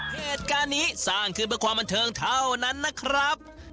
เหตุการณ์นี้สร้างขึ้นเพื่อความบันเทิงเท่านั้นนะครับ